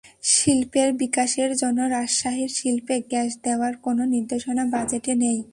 শিল্পের বিকাশের জন্য রাজশাহীর শিল্পে গ্যাস দেওয়ার কোনো নির্দেশনা বাজেটে নেই।